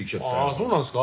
そうなんですか？